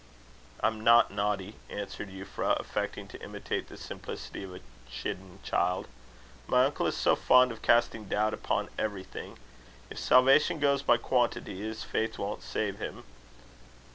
"I'm not naughty," answered Euphra, affecting to imitate the simplicity of a chidden child. "My uncle is so fond of casting doubt upon everything! If salvation goes by quantity, his faith won't save him."